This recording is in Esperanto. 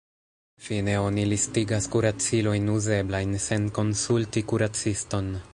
Fine, oni listigas kuracilojn uzeblajn sen konsulti kuraciston.